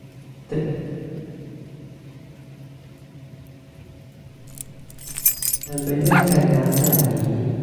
เดินไปด้วยกันนับจากนี้